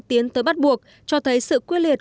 tiến tới bắt buộc cho thấy sự quyết liệt